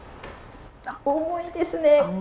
重いですね。